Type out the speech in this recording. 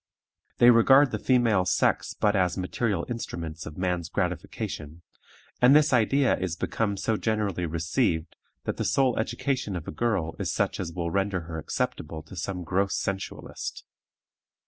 They regard the female sex but as material instruments of man's gratification; and this idea is become so generally received, that the sole education of a girl is such as will render her acceptable to some gross sensualist.